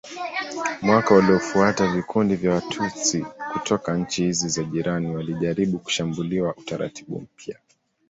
Mwaka uliofuata vikundi vya Watutsi kutoka nchi hizi za jirani walijaribu kushambulia utaratibu mpya.